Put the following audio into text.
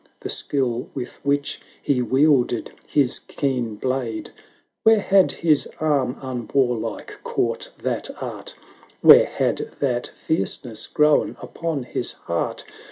The skill with which he wielded his keen blade; Where had his arm unwarlike caught that art? Where had that fierceness grown upon his heart?